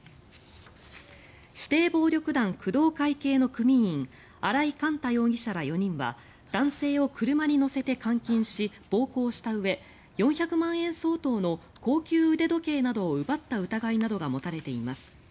指定暴力団工藤会系の組員荒井幹太容疑者ら４人は男性を車に乗せて監禁し暴行したうえ４００万円相当の高級腕時計などを奪った疑いなどが持たれています。